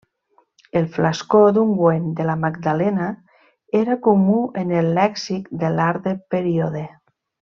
El flascó d'ungüent de la Magdalena era comú en el lèxic de l'art del període.